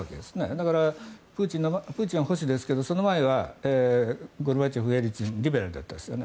だから、プーチンは保守ですけどその前はゴルバチョフ、エリツィンリベラルでしたよね。